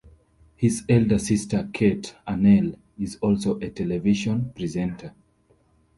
His elder sister Kate Arnell is also a television presenter.